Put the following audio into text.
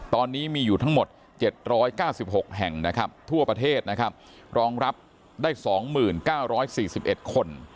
ตอนนี้มีอยู่ทั้งหมด๗๙๖แห่งทั่วประเทศรองรับได้๒หมื่น๙๔๑คน